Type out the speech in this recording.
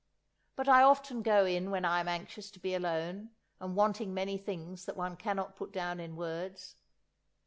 But I often go in when I am anxious to be alone and wanting many things that one cannot put down in words.